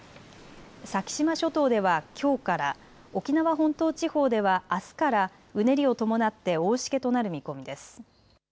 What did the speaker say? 先島諸島ではきょうから、沖縄本島地方ではあすからうねりを伴って大しけとなる見込みです。